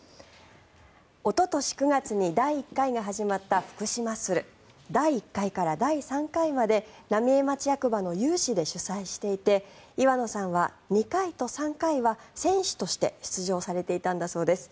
おととし９月に第１回が始まった福島ッスル第１回から第３回まで浪江町役場の有志で主催していて岩野さんは２回と３回は選手として出場されていたんだそうです。